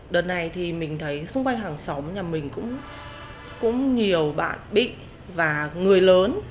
đợt này thì mình thấy xung quanh hàng xóm nhà mình cũng nhiều bạn bị và người lớn